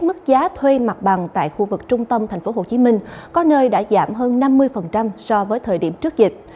mức giá thuê mặt bằng tại khu vực trung tâm tp hcm có nơi đã giảm hơn năm mươi so với thời điểm trước dịch